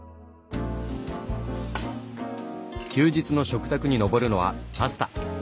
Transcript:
休日の食卓に上るのはパスタ。